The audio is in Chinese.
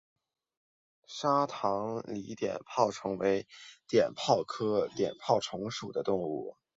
沙塘鳢碘泡虫为碘泡科碘泡虫属的动物。